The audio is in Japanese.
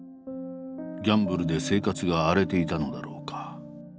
ギャンブルで生活が荒れていたのだろうか。